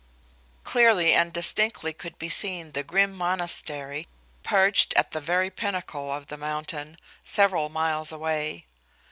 Clearly and distinctly could be seen the grim monastery, perched at the very pinnacle of the mountain, several miles away.